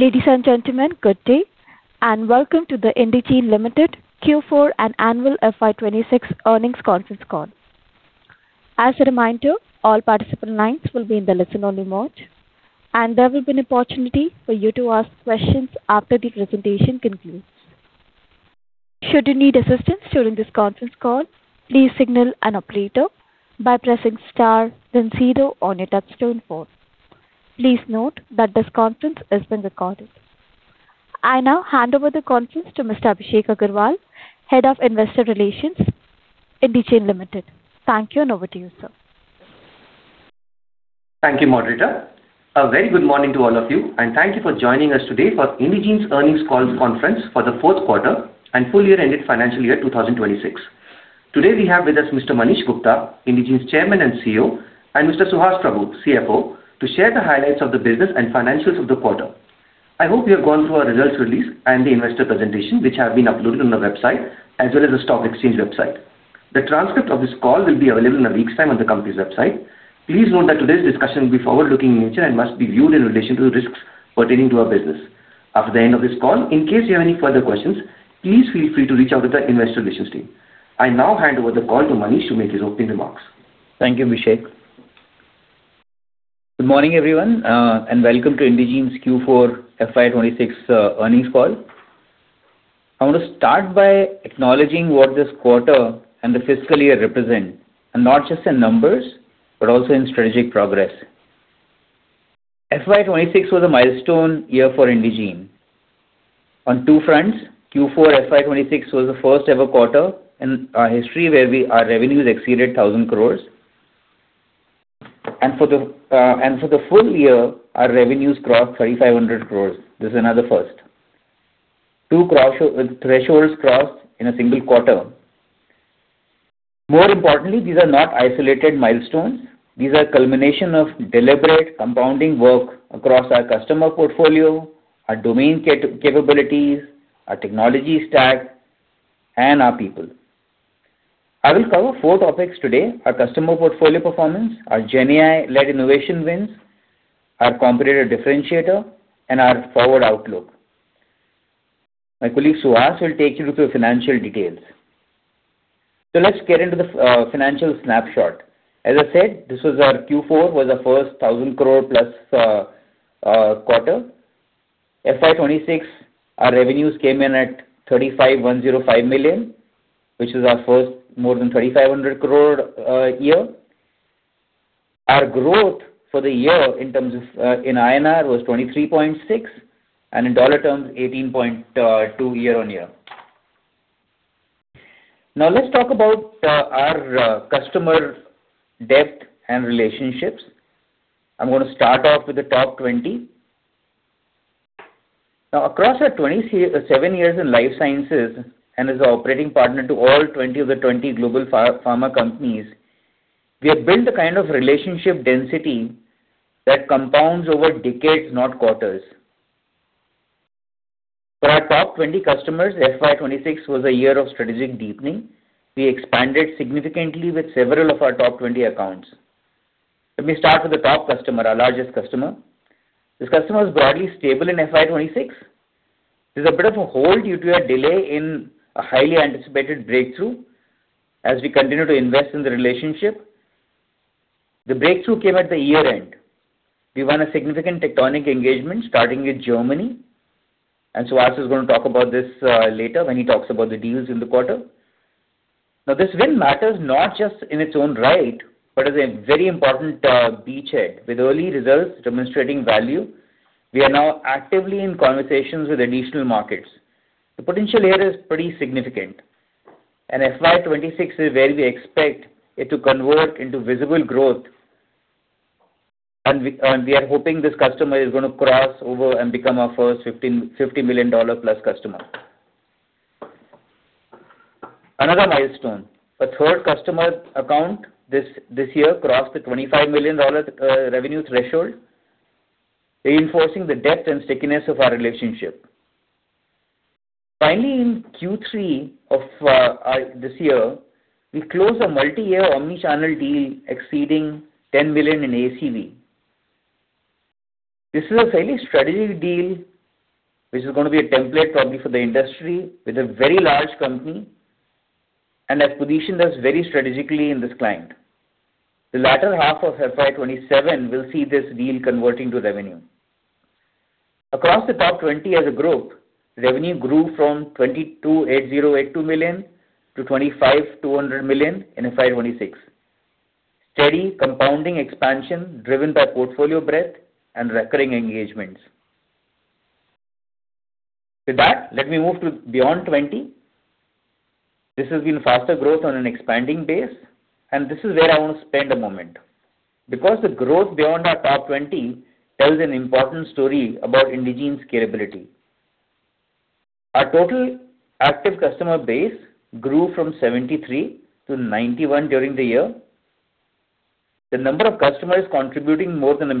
Ladies and gentlemen, good day, and welcome to the Indegene Limited Q4 and annual FY 2026 earnings conference call. As a reminder, all participant lines will be in the listen-only mode, and there will be an opportunity for you to ask questions after the presentation concludes. Should you need assistance during this conference call, please signal an operator by pressing star then zero on your touchtone phone. Please note that this conference is being recorded. I now hand over the conference to Mr. Abhishek Agarwal, Head of Investor Relations, Indegene Limited. Thank you, and over to you, sir. Thank you, moderator. A very good morning to all of you, and thank you for joining us today for Indegene's earnings call conference for the fourth quarter and full year-ended financial year 2026. Today, we have with us Mr. Manish Gupta, Indegene's Chairman and CEO, and Mr. Suhas Prabhu, CFO, to share the highlights of the business and financials of the quarter. I hope you have gone through our results release and the investor presentation, which have been uploaded on our website as well as the stock exchange website. The transcript of this call will be available in a week's time on the company's website. Please note that today's discussion will be forward-looking in nature and must be viewed in relation to the risks pertaining to our business. After the end of this call, in case you have any further questions, please feel free to reach out to the investor relations team. I now hand over the call to Manish to make his opening remarks. Thank you, Abhishek. Good morning, everyone, welcome to Indegene's Q4 FY 2026 earnings call. I want to start by acknowledging what this quarter and the fiscal year represent, not just in numbers, but also in strategic progress. FY 2026 was a milestone year for Indegene. On two fronts, Q4 FY 2026 was the first-ever quarter in our history where our revenues exceeded 1,000 crore. For the full year, our revenues crossed 3,500 crore. This is another first. Two thresholds crossed in a single quarter. More importantly, these are not isolated milestones. These are a culmination of deliberate compounding work across our customer portfolio, our domain capabilities, our technology stack, and our people. I will cover four topics today: our customer portfolio performance, our GenAI-led innovation wins, our competitive differentiator, and our forward outlook. My colleague, Suhas, will take you through financial details. Let's get into the financial snapshot. As I said, this was our Q4, was our first 1,000 crore plus quarter. FY 2026, our revenues came in at 35 million, which was our first more than 3,500 crore year. Our growth for the year in terms of in INR was 23.6%, and in, [inaudible] 18.2% year-over-year. Let's talk about our customer depth and relationships. I'm gonna start off with the top 20. Across our 27 years in life sciences and as an operating partner to all 20 of the 20 global pharma companies, we have built the kind of relationship density that compounds over decades, not quarters. For our top 20 customers, FY 2026 was a year of strategic deepening. We expanded significantly with several of our top 20 accounts. Let me start with the top customer, our largest customer. This customer was broadly stable in FY 2026. There's a bit of a hold due to a delay in a highly anticipated breakthrough as we continue to invest in the relationship. The breakthrough came at the year-end. We won a significant Tectonic engagement starting with Germany, and Suhas is gonna talk about this later when he talks about the deals in the quarter. Now, this win matters not just in its own right, but as a very important beachhead. With early results demonstrating value, we are now actively in conversations with additional markets. The potential here is pretty significant and FY 2026 is where we expect it to convert into visible growth. We are hoping this customer is gonna cross over and become our first INR 50 million+ customer. Another milestone. A third customer account this year crossed the INR 25 million revenue threshold, reinforcing the depth and stickiness of our relationship. Finally, in Q3 of this year, we closed a multi-year omni-channel deal exceeding 10 million in ACV. This is a fairly strategic deal, which is gonna be a template probably for the industry with a very large company, and has positioned us very strategically in this client. The latter half of FY 2027 will see this deal converting to revenue. Across the top 20 as a group, revenue grew from 22.8082 million-25.200 million in FY 2026. Steady compounding expansion driven by portfolio breadth and recurring engagements. With that, let me move to beyond 20. This has been faster growth on an expanding base, and this is where I want to spend a moment. The growth beyond our top 20 tells an important story about Indegene's capability. Our total active customer base grew from 73 to 91 during the year. The number of customers contributing more than INR 1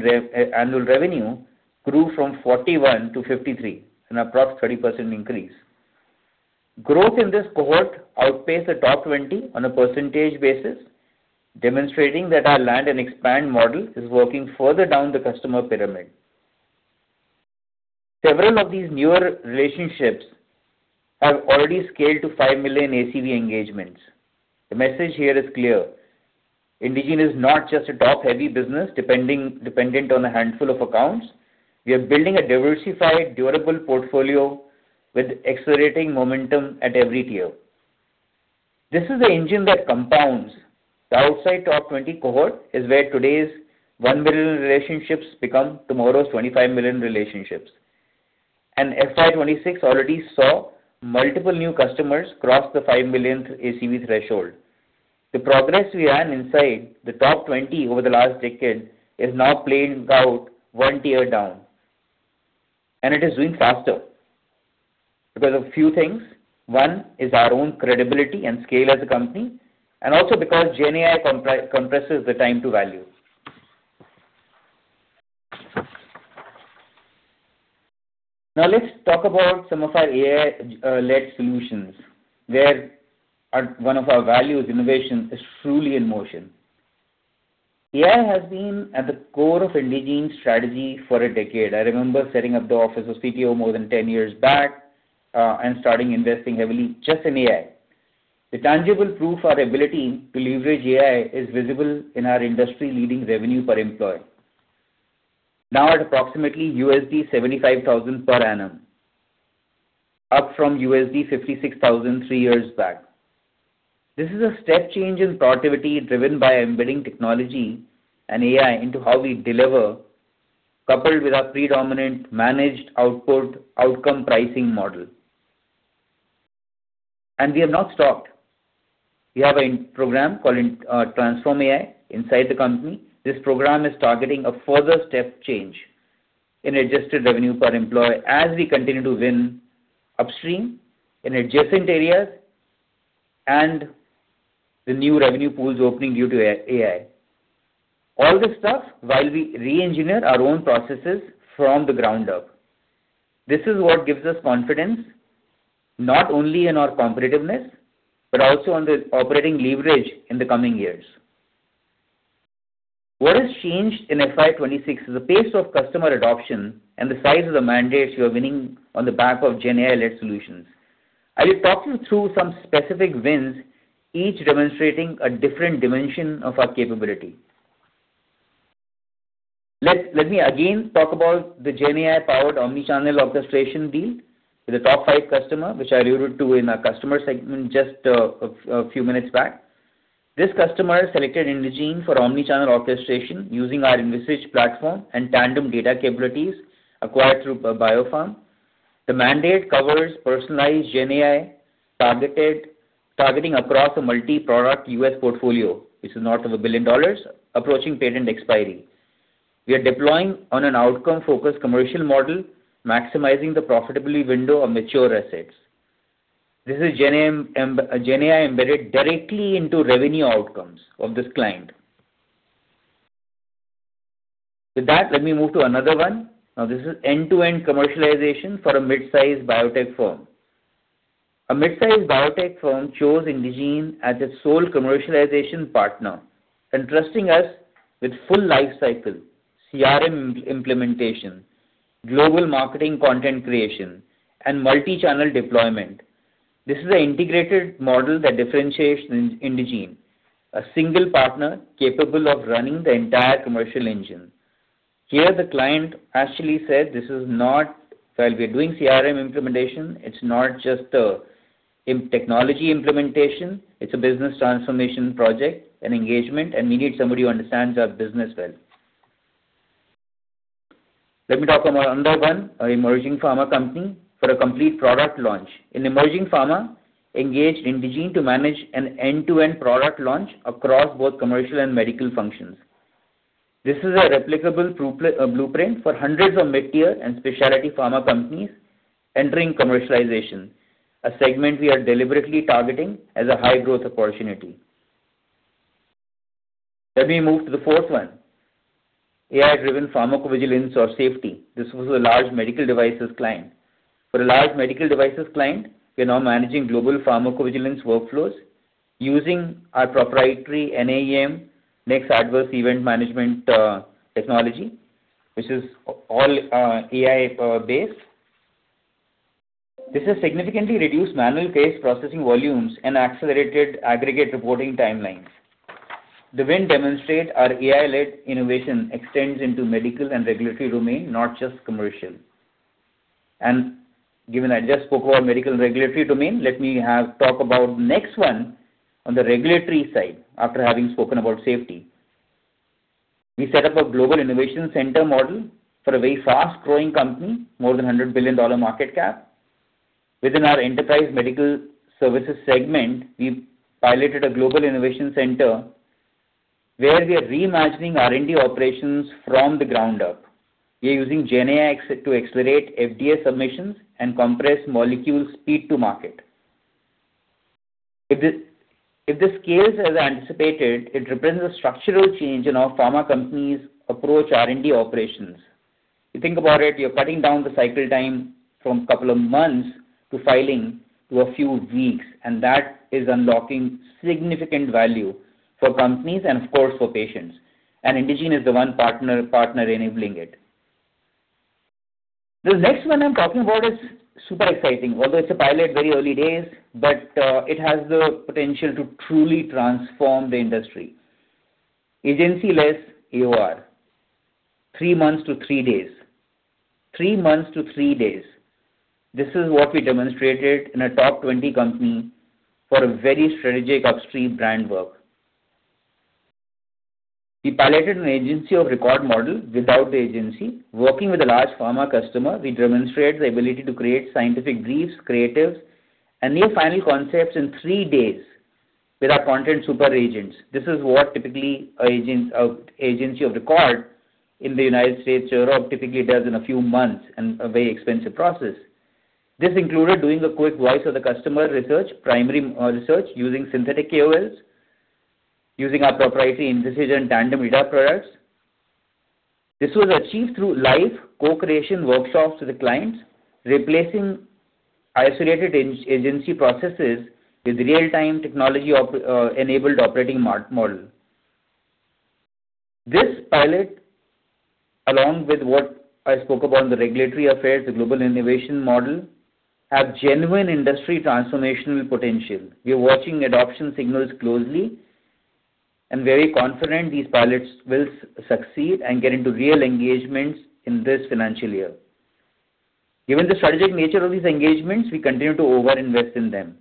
million in annual revenue grew from 41 to 53, an approx 30% increase. Growth in this cohort outpaced the top 20 on a percentage basis, demonstrating that our land and expand model is working further down the customer pyramid. Several of these newer relationships have already scaled to 5 million ACV engagements. The message here is clear. Indegene is not just a top-heavy business dependent on a handful of accounts. We are building a diversified, durable portfolio with accelerating momentum at every tier. This is the engine that compounds. The outside top 20 cohort is where today's 1 million relationships become tomorrow's 25 million relationships. FY 2026 already saw multiple new customers cross the 5 million ACV threshold. The progress we ran inside the top 20 over the last decade is now playing out one tier down, and it is moving faster. We've got a few things. One is our own credibility and scale as a company, and also because GenAI compresses the time to value. Now, let's talk about some of our AI-led solutions, where one of our values, innovation, is truly in motion. AI has been at the core of Indegene's strategy for a decade. I remember setting up the office of CTO more than 10 years back, and starting investing heavily just in AI. The tangible proof our ability to leverage AI is visible in our industry-leading revenue per employee. Now at approximately $75,000 per annum, up from $56,000 three years back. This is a step change in productivity driven by embedding technology and AI into how we deliver, coupled with our predominant managed output outcome pricing model. We have not stopped. We have a program called Transform AI inside the company. This program is targeting a further step change in adjusted revenue per employee as we continue to win upstream in adjacent areas and the new revenue pools opening due to AI. All this stuff while we re-engineer our own processes from the ground up. This is what gives us confidence not only in our competitiveness, but also on the operating leverage in the coming years. What has changed in FY 2026 is the pace of customer adoption and the size of the mandates we are winning on the back of GenAI-led solutions. I will talk you through some specific wins, each demonstrating a different dimension of our capability. Let me again talk about the GenAI-powered omnichannel orchestration deal with a top five customer, which I alluded to in our customer segment just a few minutes back. This customer selected Indegene for omnichannel orchestration using our Invisage platform and Tandem data capabilities acquired through BioPharm. The mandate covers personalized GenAI targeting across a multi-product U.S. portfolio, which is north of $1 billion, approaching patent expiry. We are deploying on an outcome-focused commercial model, maximizing the profitability window of mature assets. This is GenAI embedded directly into revenue outcomes of this client. With that, let me move to another one. This is end-to-end commercialization for a mid-sized biotech firm. A mid-sized biotech firm chose Indegene as its sole commercialization partner, entrusting us with full life cycle, CRM implementation, global marketing content creation, and multi-channel deployment. This is an integrated model that differentiates Indegene, a single partner capable of running the entire commercial engine. Here, the client actually said, "This is not while we are doing CRM implementation, it's not just a technology implementation, it's a business transformation project and engagement, and we need somebody who understands our business well." Let me talk about another one, an emerging pharma company for a complete product launch. An emerging pharma engaged Indegene to manage an end-to-end product launch across both commercial and medical functions. This is a replicable blueprint for hundreds of mid-tier and specialty pharma companies entering commercialization, a segment we are deliberately targeting as a high-growth opportunity. Let me move to the fourth one. AI-driven pharmacovigilance or safety. This was a large medical devices client. For a large medical devices client, we are now managing global pharmacovigilance workflows using our proprietary NAEM, NEXT Adverse Event Management technology, which is all AI-based. This has significantly reduced manual case processing volumes and accelerated aggregate reporting timelines. The win demonstrate our AI-led innovation extends into medical and regulatory domain, not just commercial. Given I just spoke about medical and regulatory domain, let me talk about next one on the regulatory side after having spoken about safety. We set up a global innovation center model for a very fast-growing company, more than $100 billion market cap. Within our Enterprise Medical Solutions segment, we piloted a global innovation center where we are reimagining R&D operations from the ground up. We are using GenAI to accelerate FDA submissions and compress molecules speed to market. If the scales as anticipated, it represents a structural change in how pharma companies approach R&D operations. You think about it, you're cutting down the cycle time from couple of months to filing to a few weeks and that is unlocking significant value for companies and of course for patients. Indegene is the one partner enabling it. The next one I'm talking about is super exciting. Although it's a pilot, very early days, but it has the potential to truly transform the industry. Agency-less AOR. Three months to three days, three months to three days. This is what we demonstrated in a top 20 company for a very strategic upstream brand work. We piloted an agency of record model without the agency. Working with a large pharma customer, we demonstrated the ability to create scientific briefs, creatives, and new final concepts in three days with our content super agents. This is what typically agency of record in the United States, Europe typically does in a few months and a very expensive process. This included doing a quick voice of the customer research, primary research using synthetic KOLs, using our proprietary Indegene Tandem data products. This was achieved through live co-creation workshops with the clients, replacing isolated agency processes with real-time technology-enabled operating model. This pilot, along with what I spoke about in the regulatory affairs, the global innovation model, have genuine industry transformational potential. We are watching adoption signals closely and very confident these pilots will succeed and get into real engagements in this financial year. Given the strategic nature of these engagements, we continue to over-invest in them.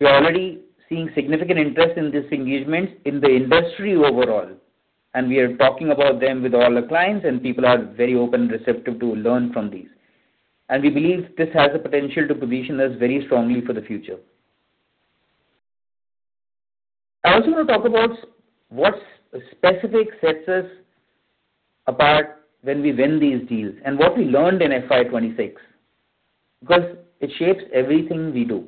We are already seeing significant interest in these engagements in the industry overall, and we are talking about them with all our clients, and people are very open and receptive to learn from these. We believe this has the potential to position us very strongly for the future. I also want to talk about what specific sets us apart when we win these deals and what we learned in FY 2026, because it shapes everything we do.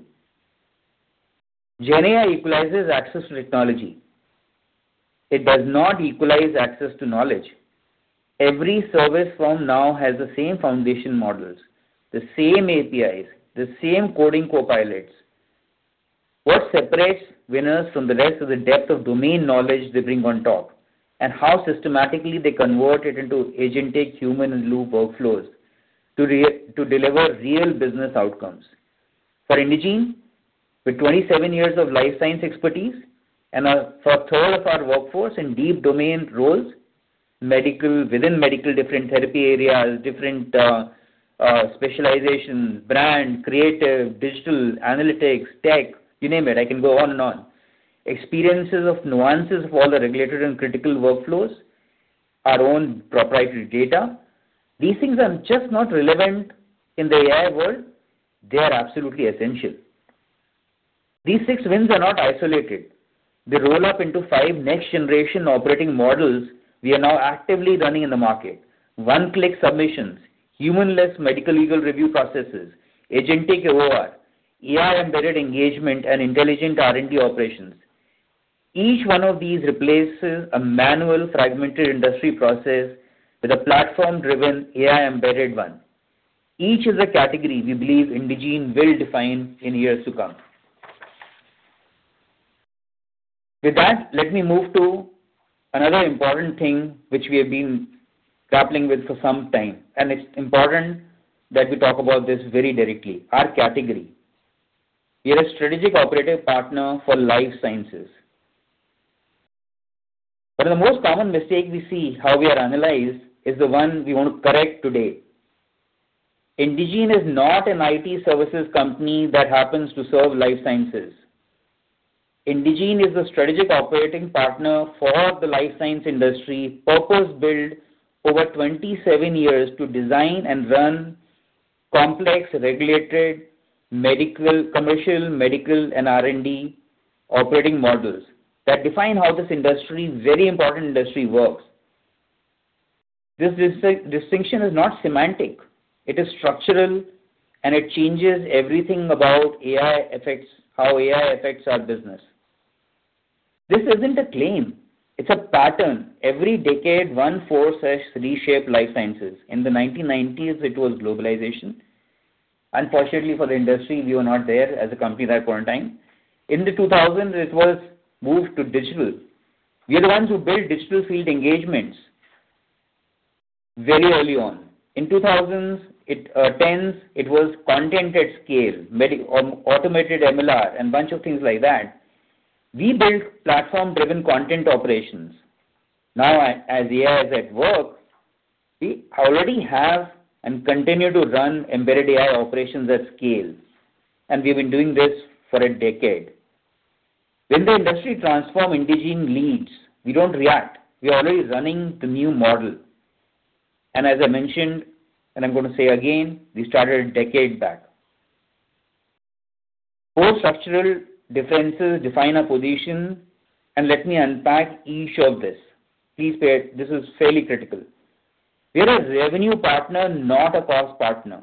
GenAI equalizes access to technology. It does not equalize access to knowledge. Every service firm now has the same foundation models, the same APIs, the same coding copilots. What separates winners from the rest is the depth of domain knowledge they bring on top, and how systematically they convert it into agentic human-in-the-loop workflows to deliver real business outcomes. For Indegene, with 27 years of life science expertise for a third of our workforce in deep domain roles, within medical, different therapy areas, different specializations, brand, creative, digital, analytics, tech, you name it, I can go on and on. Experiences of nuances of all the regulated and critical workflows, our own proprietary data. These things are just not relevant in the AI world, they are absolutely essential. These six wins are not isolated. They roll up into five next-generation operating models we are now actively running in the market. One-click submissions, human-less medical legal review processes, agentic AOR, AI-embedded engagement, and intelligent R&D operations. Each one of these replaces a manual fragmented industry process with a platform-driven AI-embedded one. Each is a category we believe Indegene will define in years to come. With that, let me move to another important thing which we have been grappling with for some time, and it's important that we talk about this very directly: our category. The most common mistake we see, how we are analyzed, is the one we want to correct today. Indegene is not an IT services company that happens to serve life sciences. Indegene is a strategic operating partner for the life science industry, purpose-built over 27 years to design and run complex regulated commercial, medical, and R&D operating models that define how this industry, very important industry, works. This distinction is not semantic, it is structural. It changes everything about how AI affects our business. This isn't a claim, it's a pattern. Every decade, one force has reshaped life sciences. In the 1990s, it was globalization. Unfortunately for the industry, we were not there as a company at that point in time. In the 2000s, it was move to digital. We are the ones who built digital field engagements very early on. In 2010s, it was content at scale, automated MLR and bunch of things like that. We built platform-driven content operations. Now as AI is at work, we already have and continue to run embedded AI operations at scale. We've been doing this for a decade. When the industry transform, Indegene leads. We don't react. We are already running the new model. As I mentioned, and I'm gonna say again, we started a decade back. Four structural differences define our position, and let me unpack each of this. Please pay, this is fairly critical. We are a revenue partner, not a cost partner.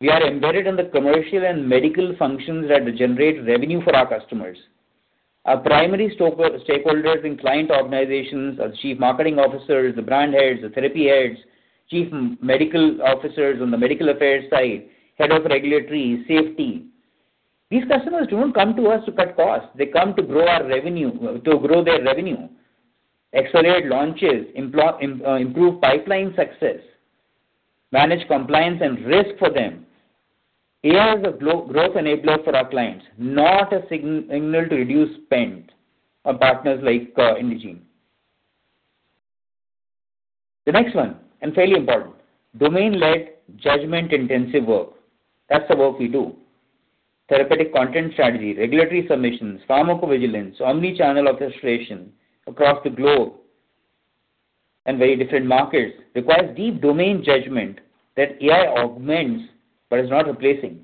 We are embedded in the commercial and medical functions that generate revenue for our customers. Our primary stakeholders in client organizations are Chief Marketing Officers, the brand heads, the therapy heads, Chief Medical Officers on the Medical Affairs side, Head of Regulatory, Safety. These customers don't come to us to cut costs. They come to grow their revenue, accelerate launches, improve pipeline success, manage compliance and risk for them. AI is a growth enabler for our clients, not a signal to reduce spend on partners like Indegene. The next one, and fairly important, domain-led judgment-intensive work, that's the work we do. Therapeutic content strategy, regulatory submissions, pharmacovigilance, omni-channel orchestration across the globe and very different markets requires deep domain judgment that AI augments but is not replacing.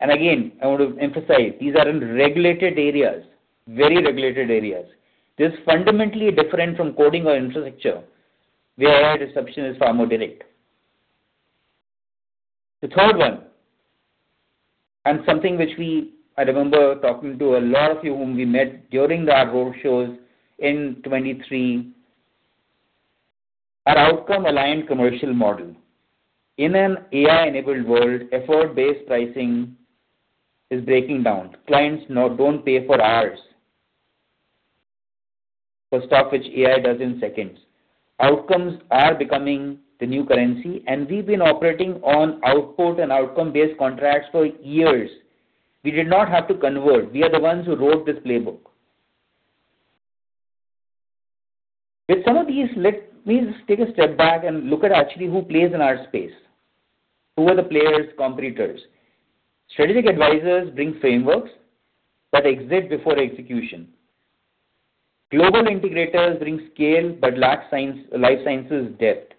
Again, I want to emphasize, these are in regulated areas, very regulated areas. This is fundamentally different from coding or infrastructure, where AI disruption is far more direct. The third one, something which I remember talking to a lot of you whom we met during our roadshows in 2023, our outcome-aligned commercial model. In an AI-enabled world, effort-based pricing is breaking down. Clients now don't pay for hours for stuff which AI does in seconds. Outcomes are becoming the new currency, we've been operating on output and outcome-based contracts for years. We did not have to convert. We are the ones who wrote this playbook. With some of these, let me just take a step back and look at actually who plays in our space. Who are the players, competitors? Strategic advisors bring frameworks but exit before execution. Global integrators bring scale but lack life sciences depth.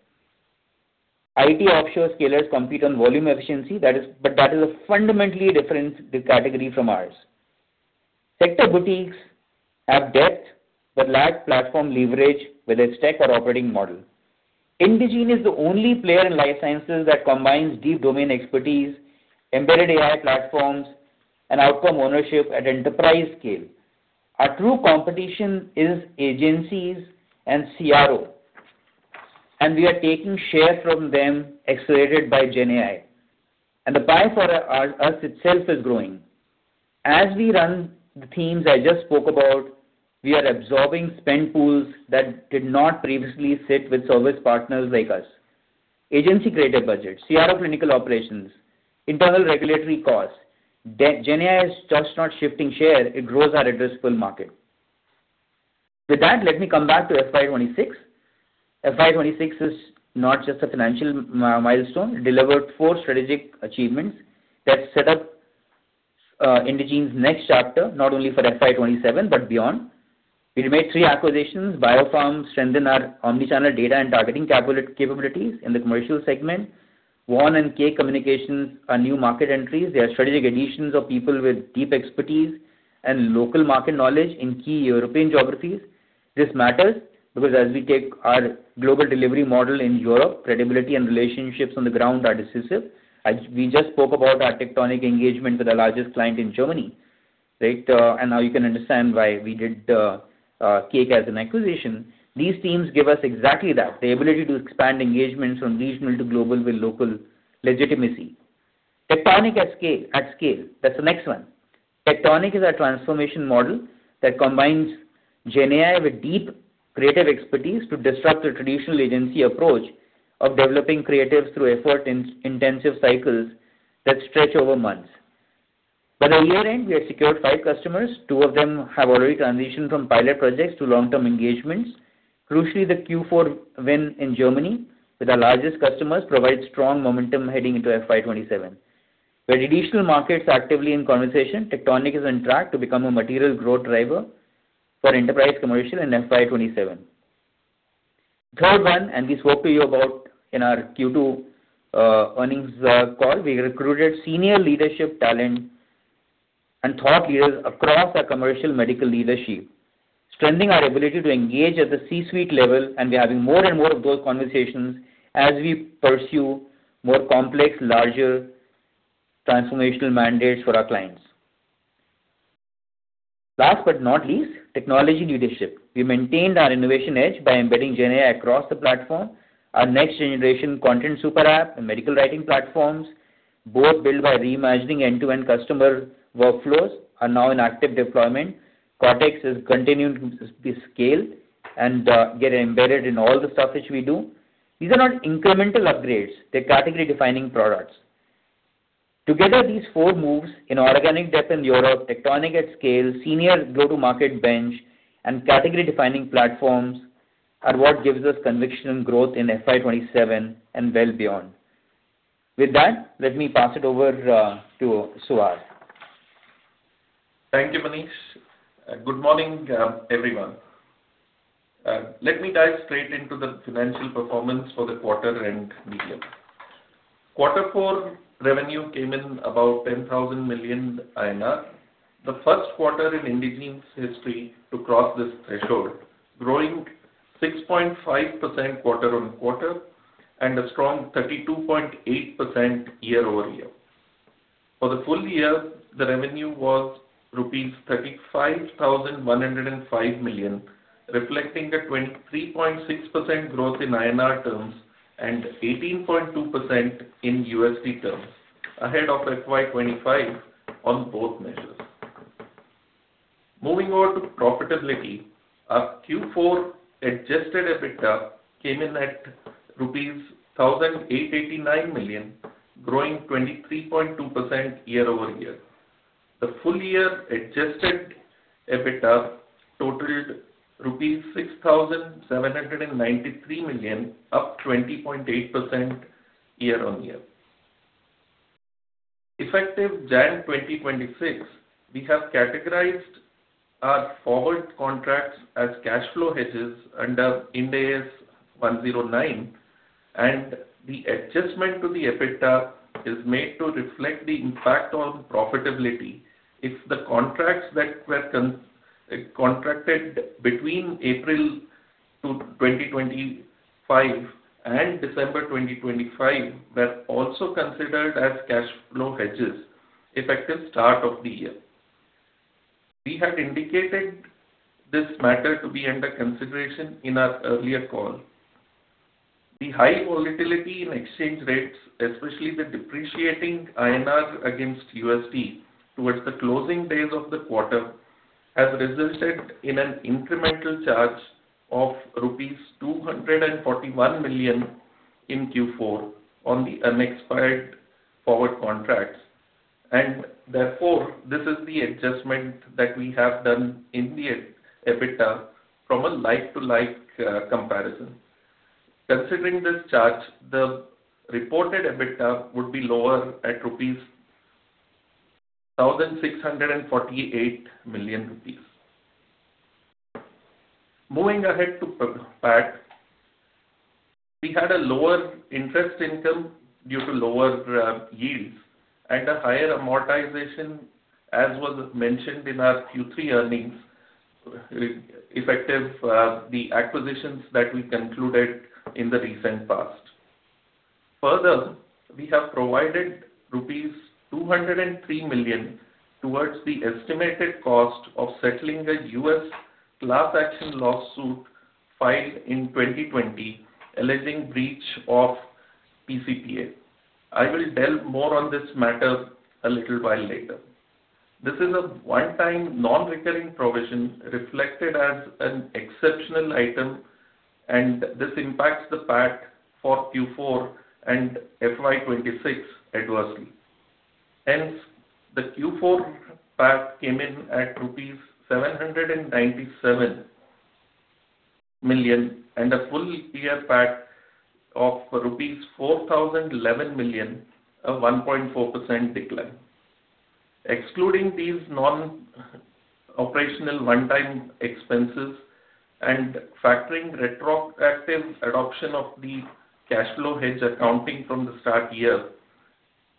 IT offshore scalers compete on volume efficiency, but that is a fundamentally different category from ours. Sector boutiques have depth but lack platform leverage, whether it's tech or operating model. Indegene is the only player in life sciences that combines deep domain expertise, embedded AI platforms, and outcome ownership at enterprise scale. Our true competition is agencies and CRO and we are taking share from them accelerated by GenAI and the pie for us itself is growing. As we run the themes I just spoke about, we are absorbing spend pools that did not previously sit with service partners like us. Agency-created budgets, CRO clinical operations, internal regulatory costs. GenAI is just not shifting share, it grows our addressable market. With that, let me come back to FY 2026. FY 2026 is not just a financial milestone. It delivered four strategic achievements that set up Indegene's next chapter, not only for FY 2027, but beyond. We made three acquisitions. BioPharm strengthen our omnichannel data and targeting capabilities in the commercial segment, Vaughn and CAKE Communications are new market entries. They are strategic additions of people with deep expertise and local market knowledge in key European geographies. This matters because as we take our global delivery model in Europe, credibility and relationships on the ground are decisive. We just spoke about our Tectonic engagement with the largest client in Germany, right? Now you can understand why we did CAKE as an acquisition. These teams give us exactly that, the ability to expand engagements from regional to global with local legitimacy. Tectonic at scale, that's the next one. Tectonic is our transformation model that combines GenAI with deep creative expertise to disrupt the traditional agency approach of developing creatives through effort-ins-intensive cycles that stretch over months. By the year-end, we have secured five customers. Two of them have already transitioned from pilot projects to long-term engagements. Crucially, the Q4 win in Germany with our largest customers provides strong momentum heading into FY 2027. With additional markets actively in conversation, Tectonic is on track to become a material growth driver for enterprise commercial in FY 2027. Third one, and we spoke to you about in our Q2 earnings call. We recruited senior leadership talent and thought leaders across our commercial medical leadership, strengthening our ability to engage at the C-suite level, and we're having more and more of those conversations as we pursue more complex, larger transformational mandates for our clients. Last but not least, technology leadership. We maintained our innovation edge by embedding GenAI across the platform. Our next-generation content super app and medical writing platforms, both built by reimagining end-to-end customer workflows, are now in active deployment. Cortex is continuing to be scaled and get embedded in all the stuff which we do. These are not incremental upgrades. They're category-defining products. Together, these four moves in organic depth in Europe, Tectonic at scale, senior go-to-market bench, and category-defining platforms are what gives us conviction and growth in FY 2027 and well beyond. With that, let me pass it over to Suhas. Thank you, Manish. Good morning, everyone. Let me dive straight into the financial performance for the quarter and medium. Quarter four revenue came in about 10,000 million, the first quarter in Indegene's history to cross this threshold, growing 6.5% quarter-on-quarter and a strong 32.8% year-over-year. For the full year, the revenue was rupees 35,105 million, reflecting a 23.6% growth in INR terms and $18.2% in USD terms, ahead of FY 2025 on both measures. Moving on to profitability, our Q4 adjusted EBITDA came in at rupees 1,889 million, growing 23.2% year-over-year. The full year adjusted EBITDA totaled INR 6,793 million, up 20.8% year-on-year. Effective January 2026, we have categorized our forward contracts as cash flow hedges under IND AS 109. The adjustment to the EBITDA is made to reflect the impact on profitability if the contracts that were contracted between April 2025 and December 2025 were also considered as cash flow hedges effective start of the year. We had indicated this matter to be under consideration in our earlier call. The high volatility in exchange rates, especially the depreciating INR against USD towards the closing days of the quarter, has resulted in an incremental charge of rupees 241 million in Q4 on the unexpired forward contracts. Therefore, this is the adjustment that we have done in the EBITDA from a like-to-like comparison. Considering this charge, the reported EBITDA would be lower at 1,648 million rupees. Moving ahead to PAT, we had a lower interest income due to lower yields and a higher amortization, as was mentioned in our Q3 earnings, re-effective the acquisitions that we concluded in the recent past. Further, we have provided rupees 203 million towards the estimated cost of settling a U.S. class action lawsuit filed in 2020 alleging breach of TCPA. I will delve more on this matter a little while later. This is a one-time non-recurring provision reflected as an exceptional item, and this impacts the PAT for Q4 and FY 2026 adversely hence, the Q4 PAT came in at rupees 797 million and a full year PAT of rupees 4,011 million, a 1.4% decline. Excluding these non-operational one-time expenses and factoring retroactive adoption of the cash flow hedge accounting from the start year,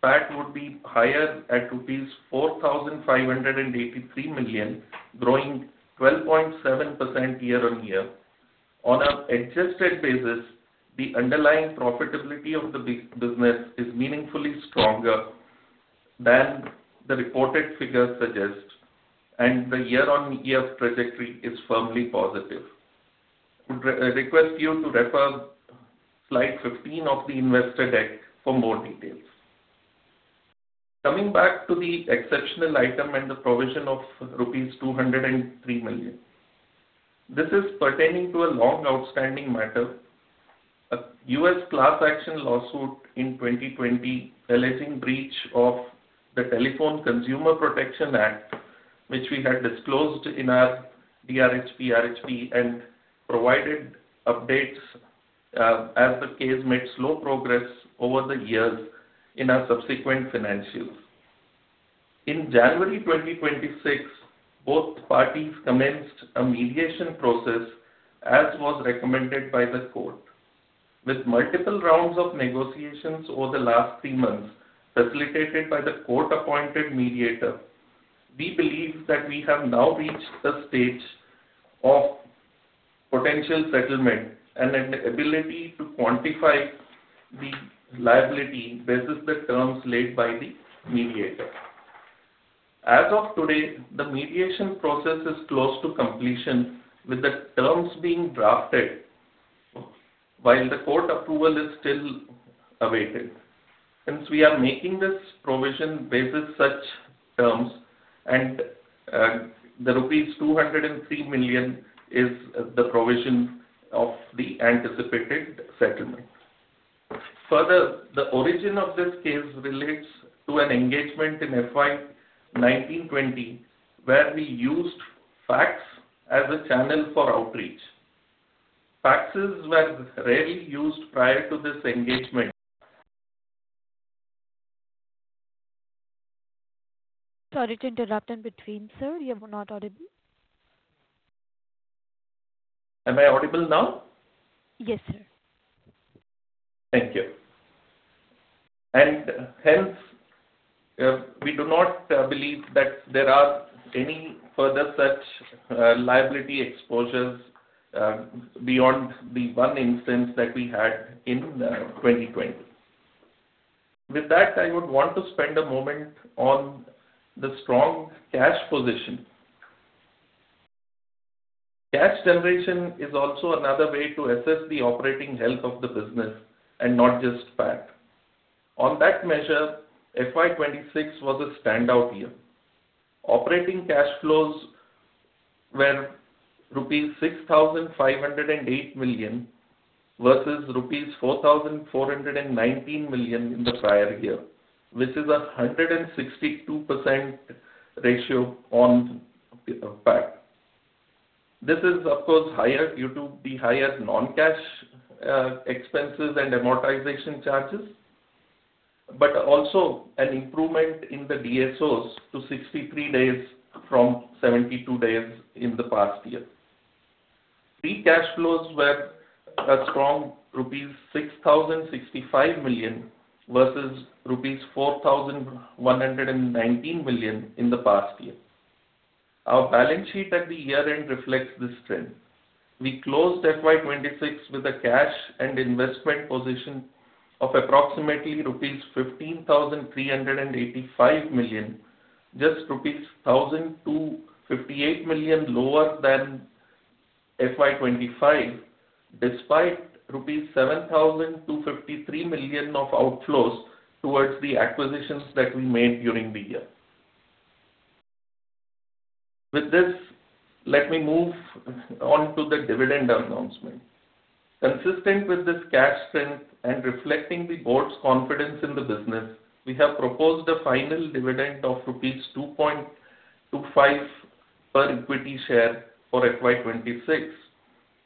PAT would be higher at rupees 4,583 million, growing 12.7% year-on-year. On an adjusted basis, the underlying profitability of the business is meaningfully stronger than the reported figures suggest, and the year-on-year trajectory is firmly positive. Would re-request you to refer slide 15 of the investor deck for more details. Coming back to the exceptional item and the provision of rupees 203 million. This is pertaining to a long outstanding matter, a U.S. class action lawsuit in 2020 alleging breach of the Telephone Consumer Protection Act, which we had disclosed in our DRHP, RHP and provided updates as the case made slow progress over the years in our subsequent financials. In January 2026, both parties commenced a mediation process, as was recommended by the court. With multiple rounds of negotiations over the last three months, facilitated by the court-appointed mediator, we believe that we have now reached a stage of potential settlement and an ability to quantify the liability basis the terms laid by the mediator. As of today, the mediation process is close to completion, with the terms being drafted while the court approval is still awaited. Since we are making this provision basis such terms and the rupees 203 million is the provision of the anticipated settlement. Further, the origin of this case relates to an engagement in FY 2019/2020, where we used fax as a channel for outreach. Faxes were rarely used prior to this engagement. Sorry to interrupt in between, sir. You were not audible. Am I audible now? Yes, sir. Thank you. Hence, we do not believe that there are any further such liability exposures beyond the one instance that we had in 2020. With that, I would want to spend a moment on the strong cash position. Cash generation is also another way to assess the operating health of the business and not just PAT. On that measure, FY 2026 was a standout year. Operating cash flows were rupees 6,508 million versus rupees 4,419 million in the prior year, which is a 162% ratio on PAT. This is of course higher due to the higher non-cash expenses and amortization charges, but also an improvement in the DSOs to 63 days from 72 days in the past year. Free cash flows were a strong rupees 6,065 million versus rupees 4,119 milli on in the past year. Our balance sheet at the year-end reflects this trend. We closed FY 2026 with a cash and investment position of approximately rupees 15,385 million, just rupees 1,258 million lower than FY 2025, despite rupees 7,253 million of outflows towards the acquisitions that we made during the year. With this, let me move on to the dividend announcement. Consistent with this cash strength and reflecting the board's confidence in the business, we have proposed a final dividend of rupees 2.25 per equity share for FY 2026.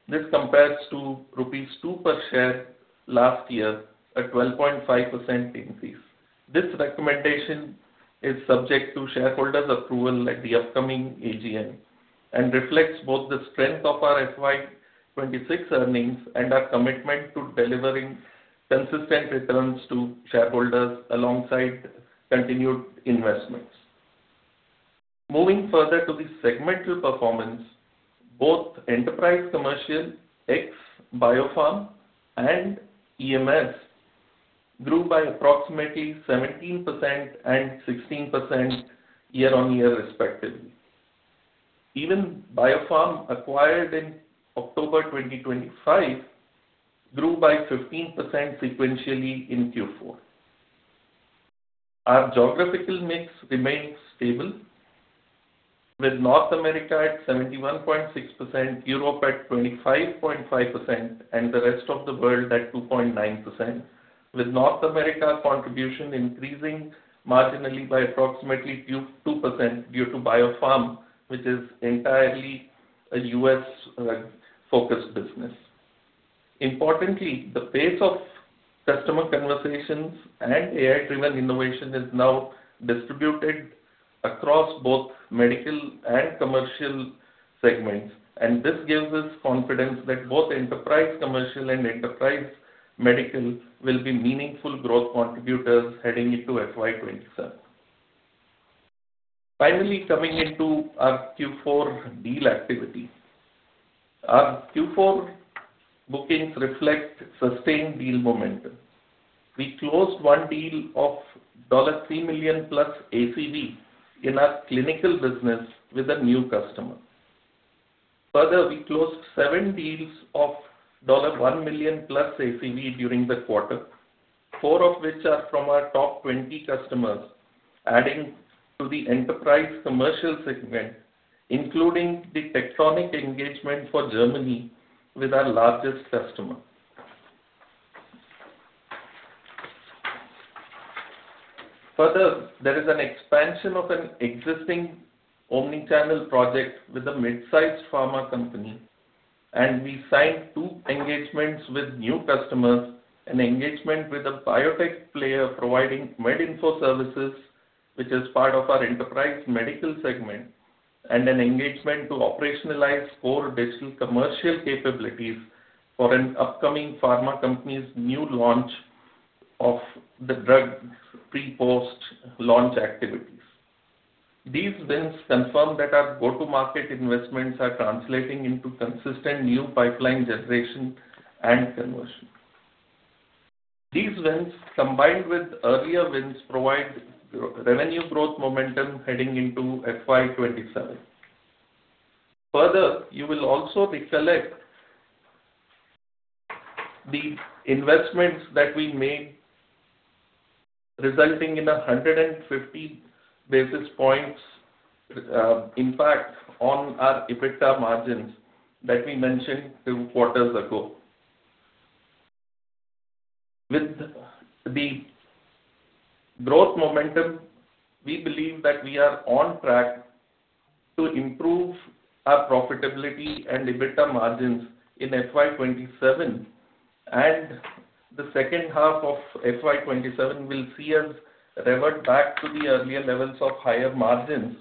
This compares to rupees 2 per share last year, a 12.5% increase. This recommendation is subject to shareholders' approval at the upcoming AGM and reflects both the strength of our FY 2026 earnings and our commitment to delivering consistent returns to shareholders alongside continued investments. Moving further to the segmental performance, both enterprise commercial ex-BioPharm and EMS grew by approximately 17% and 16% year-over-year, respectively. Even BioPharm, acquired in October 2025, grew by 15% sequentially in Q4. Our geographical mix remains stable, with North America at 71.6%, Europe at 25.5%, and the rest of the world at 2.9%. With North America contribution increasing marginally by approximately 2% due to BioPharm, which is entirely a U.S. focused business. Importantly, the pace of customer conversations and AI-driven innovation is now distributed across both medical and commercial segments, and this gives us confidence that both Enterprise Commercial and Enterprise Medical will be meaningful growth contributors heading into FY 2027. Finally, coming into our Q4 deal activity. Our Q4 bookings reflect sustained deal momentum. We closed one deal of $3 million plus ACV in our clinical business with a new customer. Further, we closed seven deals of $1 million plus ACV during the quarter, four of which are from our top 20 customers, adding to the Enterprise Commercial segment, including the Tectonic engagement for Germany with our largest customer. Further, there is an expansion of an existing omni-channel project with a mid-sized pharma company, and we signed two engagements with new customers, an engagement with a biotech player providing med info services, which is part of our Enterprise Medical Solutions, and an engagement to operationalize core digital commercial capabilities for an upcoming pharma company's new launch of the drug pre-post-launch activities. These wins confirm that our go-to-market investments are translating into consistent new pipeline generation and conversion. These wins, combined with earlier wins, provide revenue growth momentum heading into FY 2027. Further, you will also recollect the investments that we made resulting in 150 basis points impact on our EBITDA margins that we mentioned two quarters ago. With the growth momentum, we believe that we are on track to improve our profitability and EBITDA margins in FY 2027, so the second half of FY 2027 will see us revert back to the earlier levels of higher margins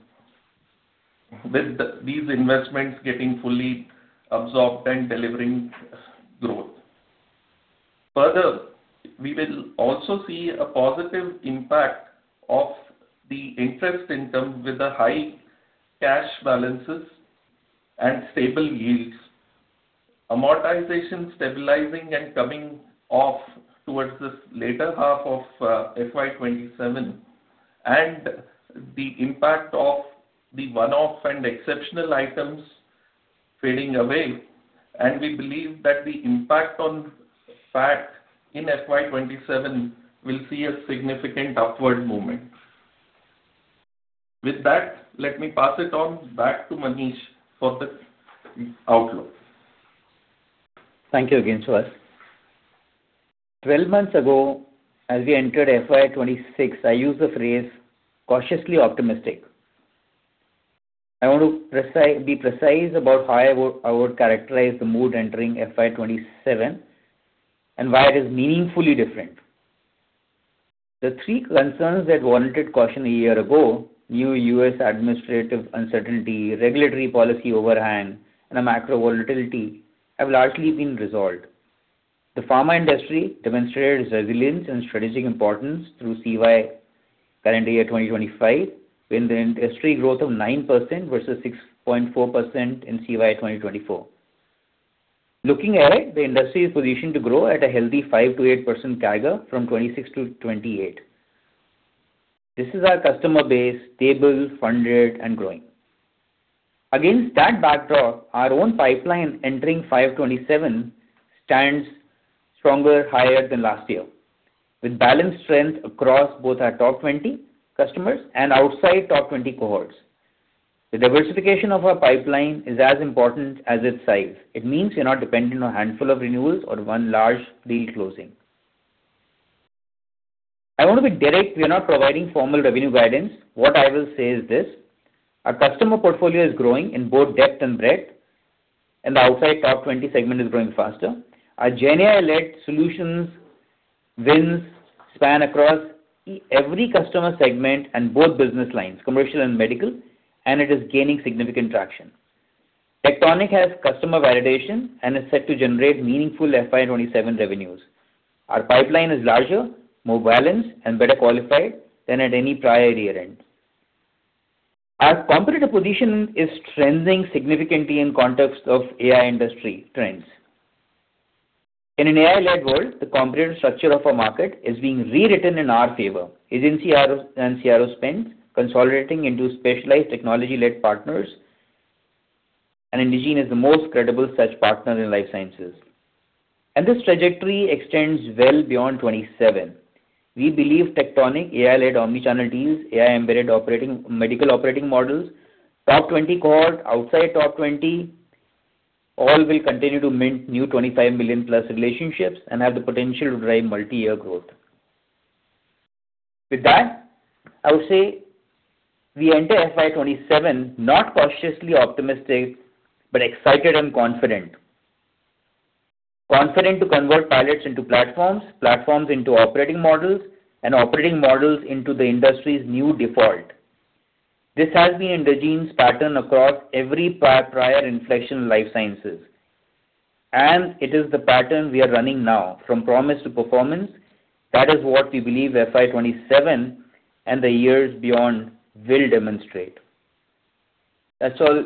with these investments getting fully absorbed and delivering growth. Further, we will also see a positive impact of the interest income with the high cash balances and stable yields. Amortization stabilizing and coming off towards this later half of FY 2027, and the impact of the one-off and exceptional items fading away. We believe that the impact on PAT in FY 2027 will see a significant upward movement. With that, let me pass it on back to Manish for the outlook. Thank you again, Suhas. 12 months ago, as we entered FY 2026, I used the phrase cautiously optimistic. I want to be precise about how I would characterize the mood entering FY 2027 and why it is meaningfully different. The three concerns that warranted caution a year ago, new U.S. administrative uncertainty, regulatory policy overhang, and a macro volatility have largely been resolved. The pharma industry demonstrated resilience and strategic importance through CY current year 2025, with an industry growth of 9% versus 6.4% in CY 2024. Looking ahead, the industry is positioned to grow at a healthy 5%-8% CAGR from 2026-2028. This is our customer base, stable, funded and growing. Against that backdrop, our own pipeline entering FY 2027 stands stronger, higher than last year, with balanced strength across both our top 20 customers and outside top 20 cohorts. The diversification of our pipeline is as important as its size. It means you're not dependent on a handful of renewals or one large deal closing. I want to be direct. We are not providing formal revenue guidance. What I will say is this: our customer portfolio is growing in both depth and breadth, and the outside top 20 segment is growing faster. Our GenAI-led solutions wins span across every customer segment and both business lines, commercial and medical, and it is gaining significant traction. Tectonic has customer validation and is set to generate meaningful FY 2027 revenues. Our pipeline is larger, more balanced and better qualified than at any prior year-end. Our competitive position is strengthening significantly in context of AI industry trends. In an AI-led world, the competitive structure of our market is being rewritten in our favor. Agency CRO and CRO spend consolidating into specialized technology-led partners. Indegene is the most credible such partner in life sciences. This trajectory extends well beyond 2027. We believe Tectonic, AI-led omnichannel deals, AI embedded medical operating models, top 20 cohort, outside top 20, all will continue to mint new 25 million+ relationships and have the potential to drive multi-year growth. With that, I would say we enter FY 2027 not cautiously optimistic, but excited and confident. Confident to convert pilots into platforms into operating models and operating models into the industry's new default. This has been Indegene's pattern across every prior inflection in life sciences, and it is the pattern we are running now from promise to performance. That is what we believe FY 2027 and the years beyond will demonstrate. That's all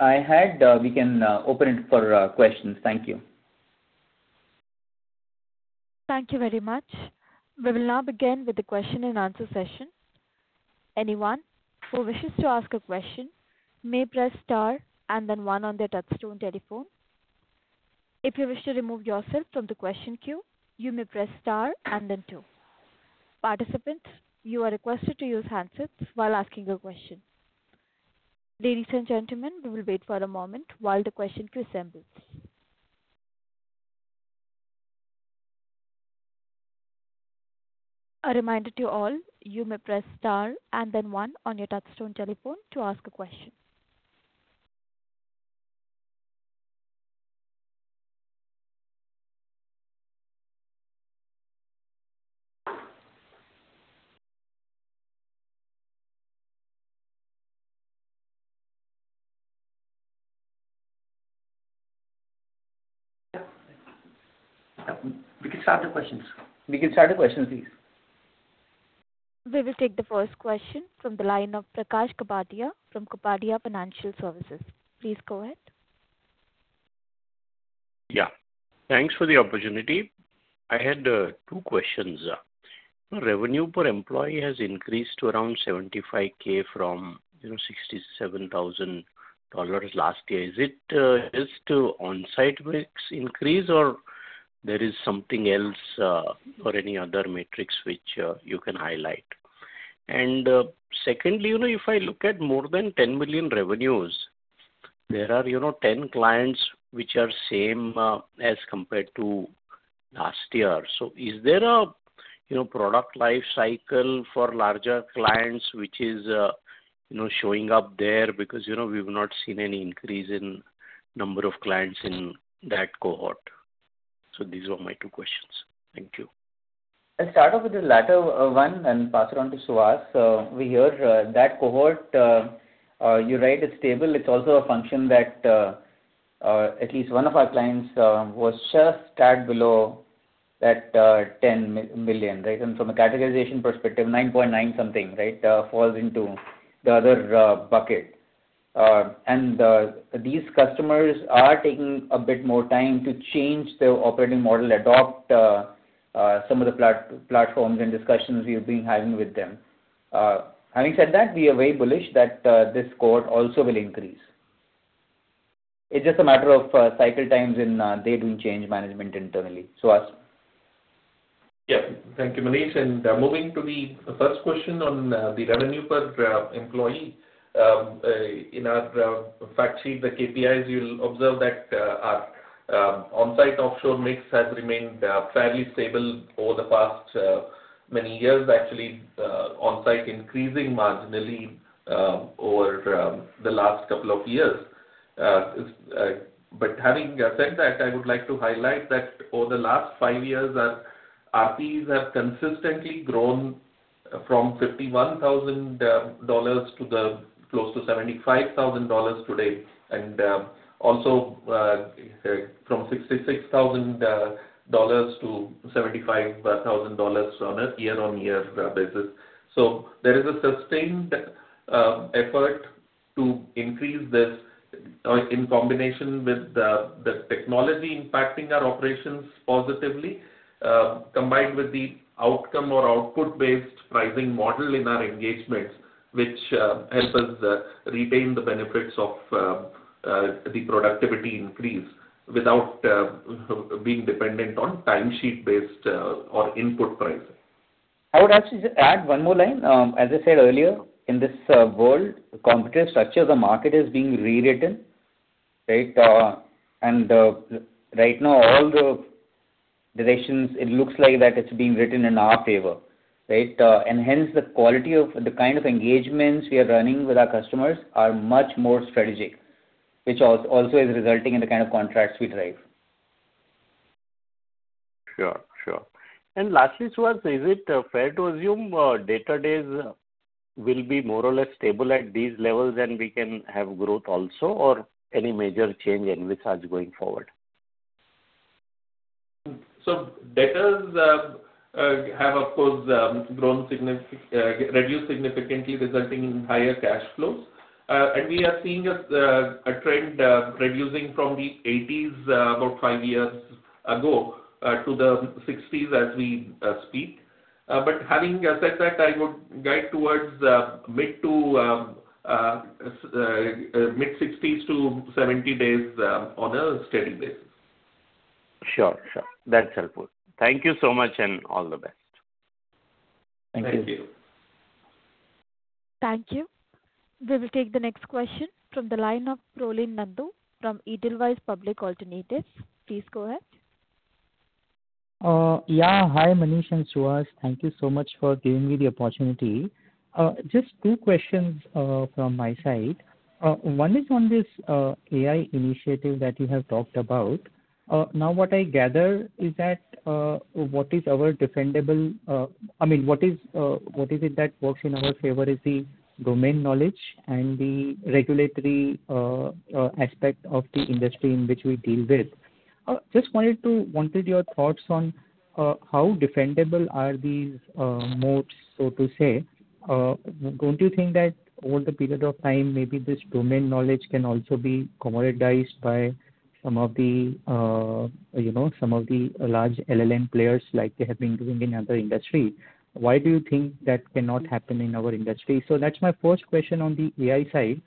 I had. We can open it for questions. Thank you. Thank you very much. We will now begin with the question-and-answer session. Anyone who wishes to ask a question may press star and then one on their touchstone telephone. If you wish to remove yourself from the question queue, you may press star and then two. Participants, you are requested to use handsets while asking your question. Ladies and gentlemen, we will wait for a moment while the question queue assembles. A reminder to all, you may press star and then one on your touchstone telephone to ask a question. We can start the questions. We can start the questions, please. We will take the first question from the line of Prakash Kapadia from Kapadia Financial Services. Please go ahead. Yeah, thanks for the opportunity. I had two questions. Revenue per employee has increased to around $75,000 from, you know, $67,000 last year. Is it just onsite mix increase or there is something else or any other metrics which you can highlight? Secondly, you know, if I look at more than 10 million revenues, there are, you know, 10 clients which are same as compared to last year. Is there a, you know, product life cycle for larger clients, which is, you know, showing up there? Because, you know, we've not seen any increase in number of clients in that cohort. These are my two questions. Thank you. I'll start off with the latter one and pass it on to Suhas. We heard that cohort, you're right, it's stable. It's also a function that at least one of our clients was just tagged below that 10 million, right? From a categorization perspective, 9.9 million-something, right, falls into the other bucket. These customers are taking a bit more time to change their operating model, adopt some of the platforms and discussions we've been having with them. Having said that, we are very bullish that this cohort also will increase. It's just a matter of cycle times and they doing change management internally. Suhas. Yeah. Thank you, Manish. Moving to the first question on the revenue per employee. In our fact sheet, the KPIs, you'll observe that our on-site/offshore mix has remained fairly stable over the past many years. Actually, on-site increasing marginally over the last couple of years. Having said that, I would like to highlight that over the last five years, our fees have consistently grown from $51,000 to close to $75,000 today, and also from $66,000 to $75,000 on a year-over-year basis. There is a sustained effort to increase this in combination with the technology impacting our operations positively, combined with the outcome or output-based pricing model in our engagements, which helps us retain the benefits of the productivity increase without being dependent on timesheet-based or input pricing. I would actually just add one more line. As I said earlier, in this world, the competitive structure of the market is being rewritten. Right now, all the directions, it looks like that it's being written in our favor. Hence the quality of the kind of engagements we are running with our customers are much more strategic, which also is resulting in the kind of contracts we drive. Sure, sure. Lastly, Suhas, is it fair to assume, debtor days will be more or less stable at these levels and we can have growth also or any major change envisaged going forward? Debtors have of course, reduced significantly, resulting in higher cash flows. We are seeing a trend reducing from the 80s about five years ago, to the 60s as we speak. Having said that, I would guide towards mid to mid-60s-70 days on a steady basis. Sure. Sure. That's helpful. Thank you so much, and all the best. Thank you. Thank you. Thank you. We will take the next question from the line of Prolin Nandu from Edelweiss Public Alternatives. Please go ahead. Yeah. Hi, Manish and Suhas. Thank you so much for giving me the opportunity. Just two questions from my side. One is on this AI initiative that you have talked about. Now what I gather is that what is our defendable—I mean, what is it that works in our favor is the domain knowledge and the regulatory aspect of the industry in which we deal with. Just wanted your thoughts on how defendable are these moats, so to say. Don't you think that over the period of time, maybe this domain knowledge can also be commoditized by some of the, you know, some of the large LLM players like they have been doing in other industry? Why do you think that cannot happen in our industry? That's my first question on the AI side.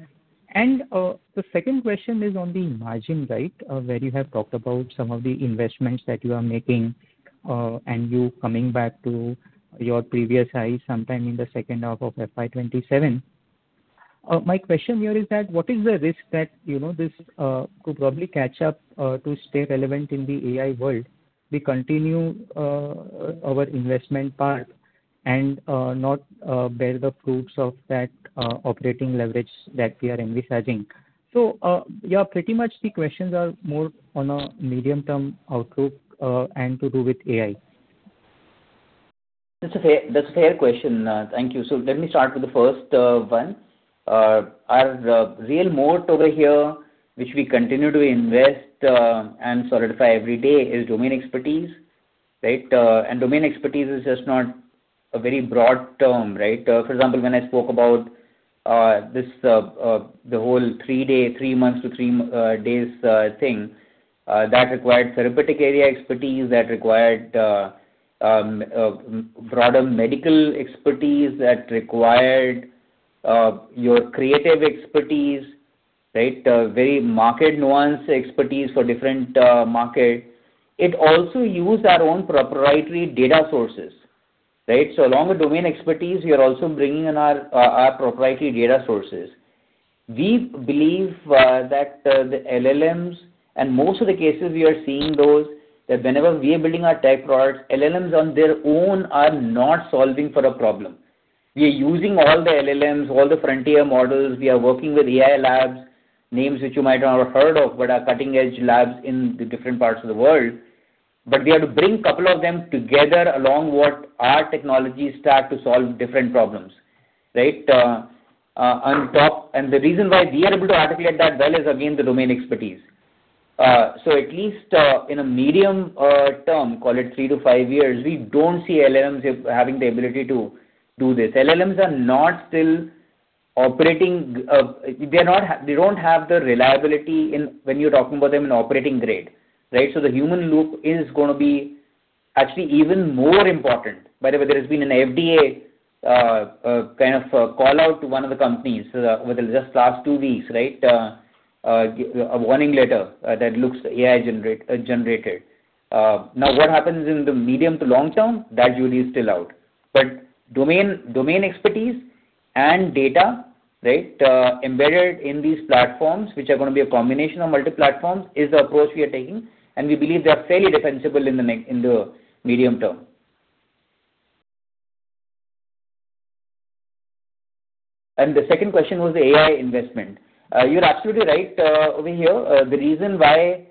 The second question is on the margin guide, where you have talked about some of the investments that you are making, and you coming back to your previous high sometime in the second half of FY 2027. My question here is that what is the risk that, you know, this could probably catch up, to stay relevant in the AI world. We continue our investment part and not bear the fruits of that operating leverage that we are envisaging. Yeah, pretty much the questions are more on a medium-term outlook, and to do with AI. That's a fair, that's a fair question. Thank you. Let me start with the first one. Our real moat over here, which we continue to invest and solidify every day is domain expertise, right? Domain expertise is just not a very broad term, right? For example, when I spoke about this, the whole three day, three months to three days thing, that required therapeutic area expertise, that required broader medical expertise, that required your creative expertise, right? A very market nuance expertise for different market. It also used our own proprietary data sources. Along with domain expertise, we are also bringing in our proprietary data sources. We believe the LLMs and most of the cases we are seeing those, that whenever we are building our tech products, LLMs on their own are not solving for a problem. We are using all the LLMs, all the frontier models. We are working with AI labs, names which you might not have heard of, but are cutting-edge labs in the different parts of the world but we have to bring couple of them together along what our technologies start to solve different problems on top. The reason why we are able to articulate that well is again, the domain expertise. At least, in a medium term, call it three to five years, we don't see LLMs having the ability to do this. LLMs are not still operating. They don't have the reliability in when you're talking about them in operating grade, right? The human loop is gonna be actually even more important. By the way, there has been an FDA, kind of a call-out to one of the companies within just last two weeks, right? A warning letter that looks AI generated. Now what happens in the medium to long term? That jury is still out. Domain, domain expertise and data, right, embedded in these platforms, which are gonna be a combination of multi-platforms, is the approach we are taking, and we believe they are fairly defensible in the medium term. The second question was the AI investment. You're absolutely right over here. The reason why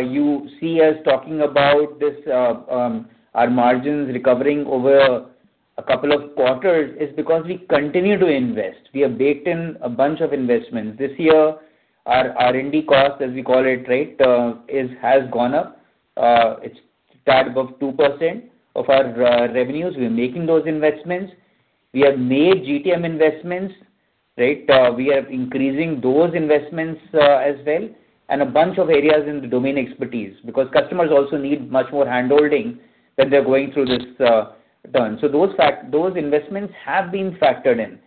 you see us talking about this, our margins recovering over a couple of quarters is because we continue to invest. We have baked in a bunch of investments. This year, our R&D cost, as we call it, right, has gone up. It's tad above 2% of our revenues. We are making those investments. We have made GTM investments, right? We are increasing those investments as well, and a bunch of areas in the domain expertise, because customers also need much more hand-holding when they're going through this turn. Those investments have been factored in.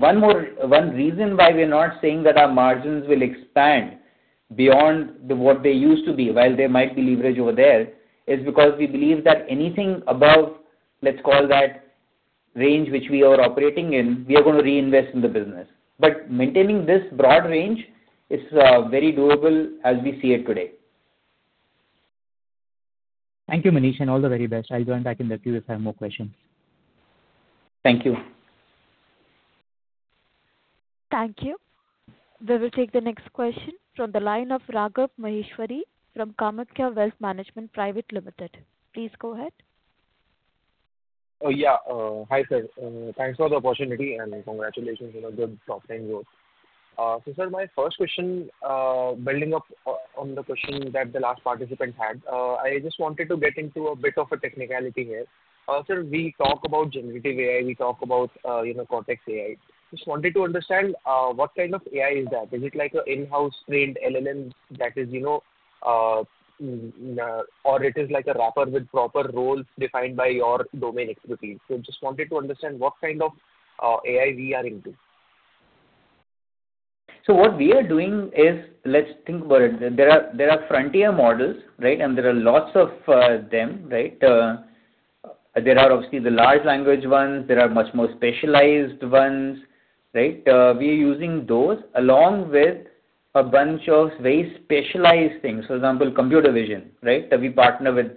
One more reason why we are not saying that our margins will expand beyond what they used to be, while there might be leverage over there, is because we believe that anything above, let's call that range which we are operating in, we are gonna reinvest in the business. Maintaining this broad range is very doable as we see it today. Thank you, Manish, and all the very best. I'll join back in the queue if I have more questions. Thank you. Thank you. We will take the next question from the line of Raghav Maheshwari from KamayaKya Wealth Management Private Limited. Please go ahead. Yeah. Hi, sir. Thanks for the opportunity, and congratulations on a good top-line growth. Sir, my first question, building up on the question that the last participant had. I just wanted to get into a bit of a technicality here. Sir, we talk about Generative AI, we talk about, you know, Cortex AI. Just wanted to understand, what kind of AI is that? Is it like a in-house trained LLM that is, you know, or it is like a wrapper with proper roles defined by your domain expertise? Just wanted to understand what kind of AI we are into. What we are doing is, let's think about it. There are frontier models, right? There are lots of them, right? There are obviously the large language ones. There are much more specialized ones, right? We are using those along with a bunch of very specialized things. For example, computer vision, right? That we partner with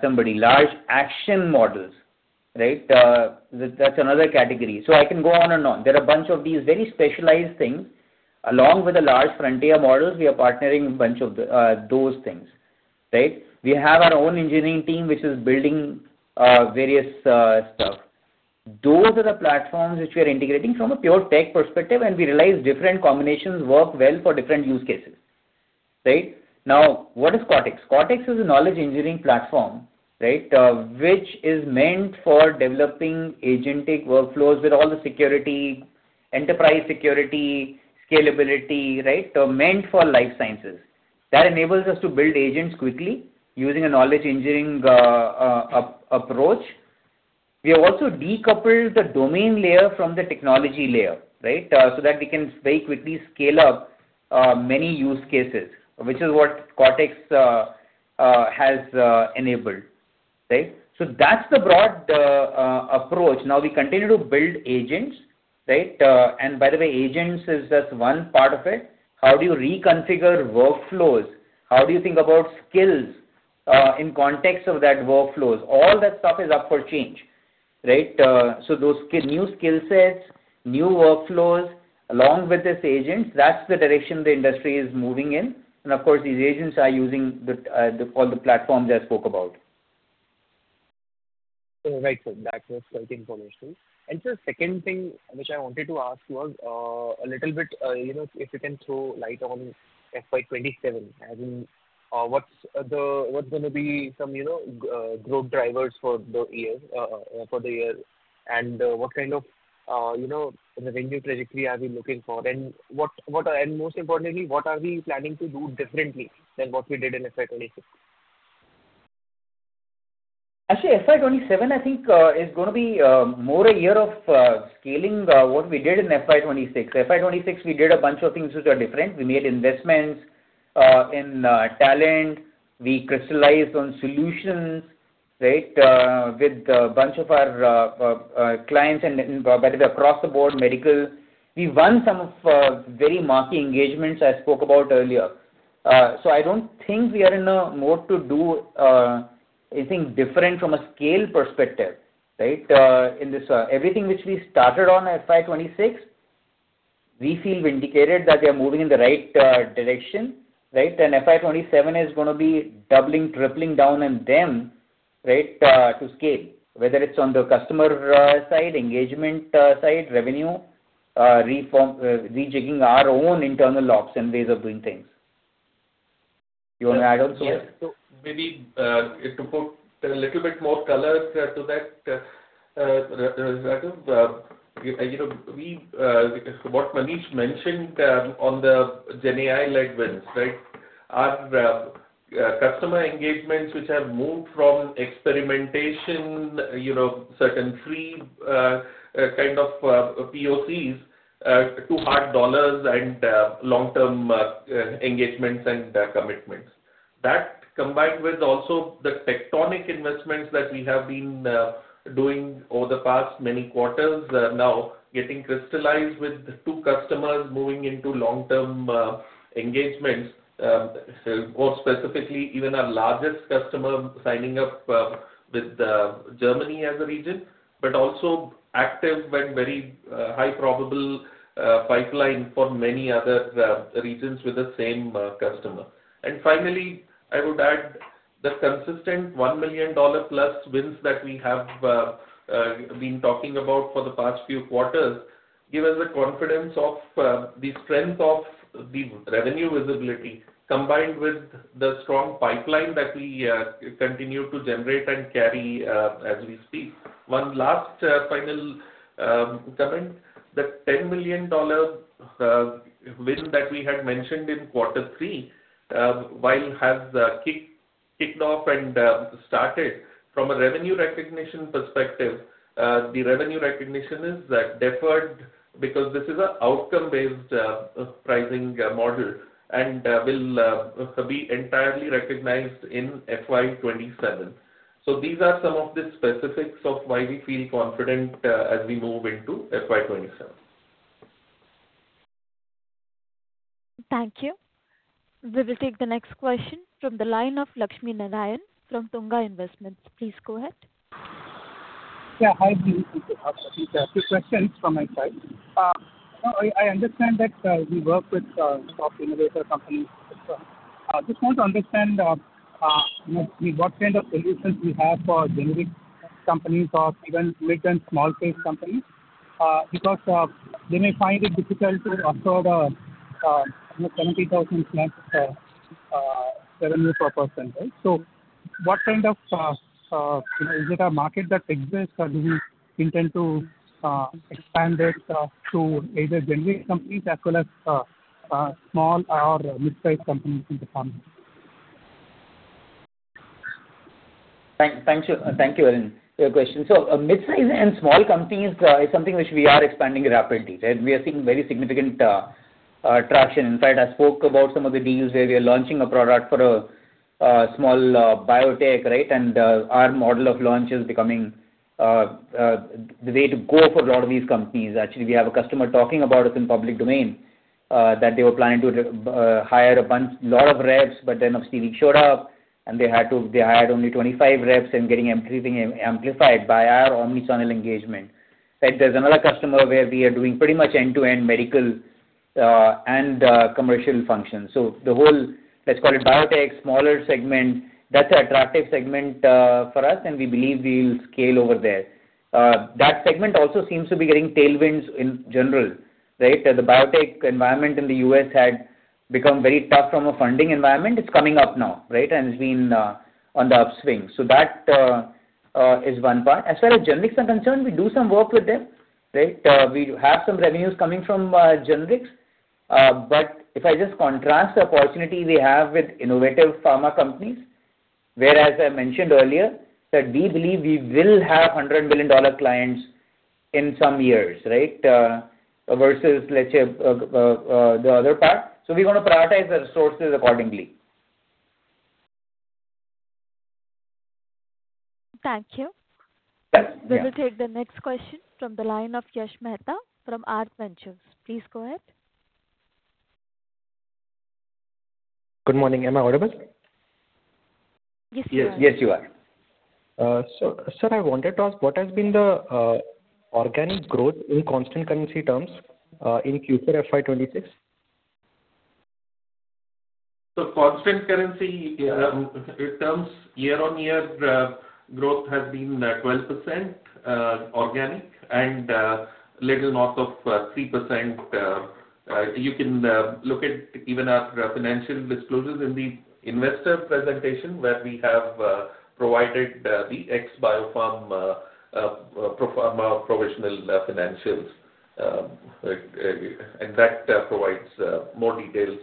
somebody. Large action models, right? That's another category. I can go on and on. There are a bunch of these very specialized things. Along with the large frontier models, we are partnering a bunch of those things, right? We have our own engineering team, which is building various stuff. Those are the platforms which we are integrating from a pure tech perspective, and we realize different combinations work well for different use cases, right? Now, what is Cortex? Cortex is a knowledge engineering platform, right? Which is meant for developing agentic workflows with all the security, enterprise security, scalability, right? Meant for life sciences. That enables us to build agents quickly using a knowledge engineering approach. We have also decoupled the domain layer from the technology layer, right? So that we can very quickly scale up many use cases, which is what Cortex has enabled, right? That's the broad approach. We continue to build agents, right? And by the way, agents is just one part of it. How do you reconfigure workflows? How do you think about skills in context of that workflows? All that stuff is up for change, right? So those new skill sets, new workflows along with these agents, that's the direction the industry is moving in. Of course, these agents are using all the platforms I spoke about. Right, sir. That was quite informative. Sir, second thing which I wanted to ask was, a little bit, you know, if you can throw light on FY 2027. As in, what's gonna be some, you know, growth drivers for the year? What kind of, you know, the revenue trajectory are we looking for? Most importantly, what are we planning to do differently than what we did in FY 2026? Actually, FY 2027, I think, is gonna be more a year of scaling what we did in FY 2026. FY 2026, we did a bunch of things which are different. We made investments in talent, we crystallized on solutions, right, with a bunch of our clients and whether across the board medical. We won some of very marquee engagements I spoke about earlier. I don't think we are in a mode to do anything different from a scale perspective, right? In this, everything which we started on FY 2026, we feel vindicated that we are moving in the right direction, right? FY 2027 is gonna be doubling, tripling down on them, right, to scale. Whether it's on the customer side, engagement side, revenue front, rejigging our own internal ops and ways of doing things. You wanna add on, Suhas? Yes. Maybe, to put a little bit more color to that, Raghav. You know, what Manish mentioned on the GenAI leg wins, right? Our customer engagements which have moved from experimentation, you know, certain free, kind of, POCs, to hard dollars and long-term engagements and commitments. That combined with also the Tectonic investments that we have been doing over the past many quarters are now getting crystallized with two customers moving into long-term engagements. More specifically, even our largest customer signing up, with Germany as a region, but also active and very high probable pipeline for many other regions with the same customer. Finally, I would add the consistent $1 million+ wins that we have been talking about for the past few quarters give us the confidence of the strength of the revenue visibility, combined with the strong pipeline that we continue to generate and carry as we speak. One last final comment. The $10 million win that we had mentioned in quarter three, while has kicked off and started from a revenue recognition perspective, the revenue recognition is deferred because this is an outcome-based pricing model and will be entirely recognized in FY 2027. These are some of the specifics of why we feel confident as we move into FY 2027. Thank you. We will take the next question from the line of Lakshminarayanan from Tunga Investments. Please go ahead. Yeah. Hi, good evening to half of you. Two questions from my side. I understand that we work with top innovator companies. Just want to understand, you know, what kind of solutions we have for generic companies or even mid and small case companies. They may find it difficult to afford, you know, INR 70,000+ revenue per person, right? What kind of, you know, is it a market that exists or do we intend to expand it to either generic companies as well as small or mid-sized companies in the pharma? Thank you. Thank you, [Arun], for your question. Midsize and small companies is something which we are expanding rapidly. We are seeing very significant traction. In fact, I spoke about some of the deals where we are launching a product for a small biotech, right? Our model of launch is becoming the way to go for a lot of these companies. We have a customer talking about us in public domain, that they were planning to hire a bunch, lot of reps, but then [Okstivi] showed up. They hired only 25 reps and getting everything amplified by our omni-channel engagement, right? There's another customer where we are doing pretty much end-to-end medical and commercial functions. The whole, let's call it biotech, smaller segment, that's an attractive segment for us, and we believe we'll scale over there. That segment also seems to be getting tailwinds in general, right? The biotech environment in the U.S. had become very tough from a funding environment. It's coming up now, right, and it's been on the upswing. That is one part. As far as generics are concerned, we do some work with them, right? We have some revenues coming from generics. If I just contrast the opportunity we have with innovative pharma companies, where, as I mentioned earlier, that we believe we will have $100 billion dollar clients in some years, right? Versus, let's say, the other part. We wanna prioritize our resources accordingly. Thank you. Yes. Yeah. We will take the next question from the line of Yash Mehta from ASK Ventures. Please go ahead. Good morning. Am I audible? Yes, you are. Yes, you are. Sir, I wanted to ask what has been the organic growth in constant currency terms, in Q4 FY 2026? Constant currency terms year-on-year growth has been 12% organic and little north of 3%. You can look at even our financial disclosures in the investor presentation where we have provided the ex-BioPharm pro forma provisional financials. That provides more details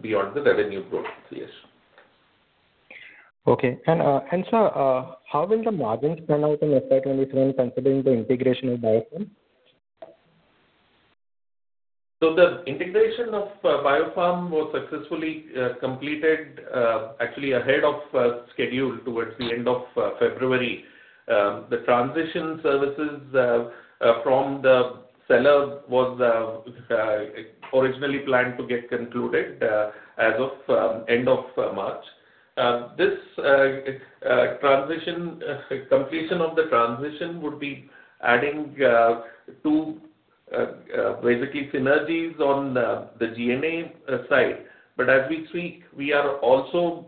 beyond the revenue growth. Okay. Sir, how will the margins turn out in FY 2023 considering the integration of BioPharm? The integration of BioPharm was successfully completed actually ahead of schedule towards the end of February. The transition services from the seller was originally planned to get concluded as of end of March. This transition, completion of the transition would be adding two basically synergies on the GMA side. As we speak, we are also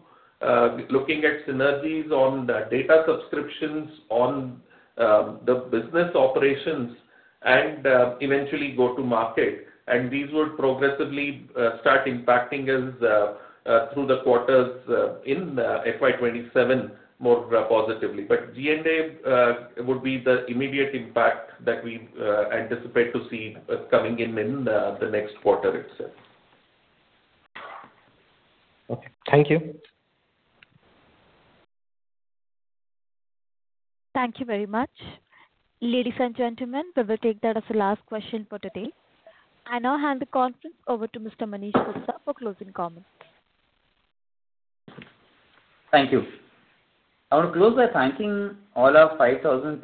looking at synergies on the data subscriptions on the business operations and eventually go to market. These would progressively start impacting us through the quarters in FY 2027 more positively. GMA would be the immediate impact that we anticipate to see coming in in the next quarter itself. Okay. Thank you. Thank you very much. Ladies and gentlemen, we will take that as the last question for today. I now hand the conference over to Mr. Manish Gupta for closing comments. Thank you. I want to close by thanking all our 5,000+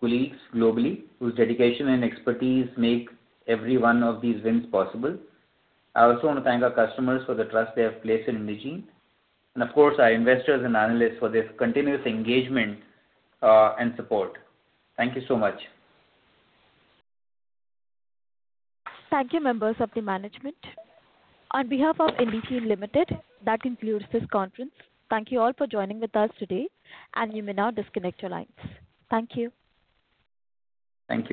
colleagues globally, whose dedication and expertise make every one of these wins possible. I also want to thank our customers for the trust they have placed in Indegene, and of course, our investors and analysts for their continuous engagement and support. Thank you so much. Thank you, members of the management. On behalf of Indegene Limited, that concludes this conference. Thank you all for joining with us today, and you may now disconnect your lines. Thank you. Thank you.x